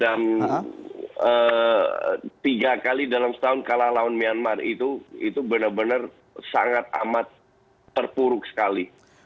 dan tiga kali dalam setahun kalah lawan myanmar itu benar benar sangat amat terpuruk sekali